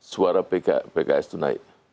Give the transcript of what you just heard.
suara pks itu naik